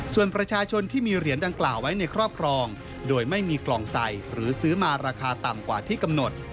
ส่วนประชาชนที่มีเหรียญดังกล่าวไว้ในครอบครองโดยไม่มีกล่องใส่หรือซื้อมาราคาต่ำกว่าที่กำหนด